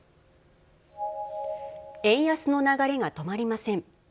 円安の流れが止まりません。